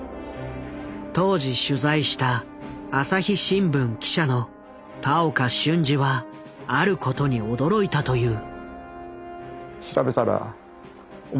当時取材した朝日新聞記者の田岡俊次はあることに驚いたという。